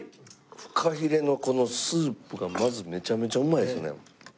フカヒレのこのスープがまずめちゃめちゃうまいですね。